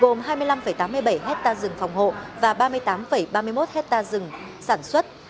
gồm hai mươi năm tám mươi bảy hectare rừng phòng hộ và ba mươi tám ba mươi một hectare rừng sản xuất